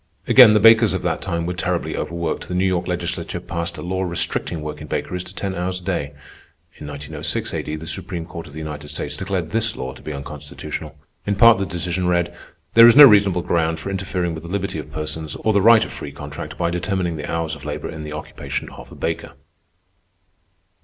Again, the bakers of that time were terribly overworked. The New York Legislature passed a law restricting work in bakeries to ten hours a day. In 1906 A.D., the Supreme Court of the United States declared this law to be unconstitutional. In part the decision read: "_There is no reasonable ground for interfering with the liberty of persons or the right of free contract by determining the hours of labor in the occupation of a baker.